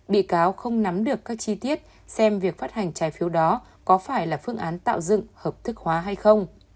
bị cáo không nắm được các chi tiết xem việc phát hành trái phiếu đó có phải là phương án tạo dựng hợp thức hóa hay không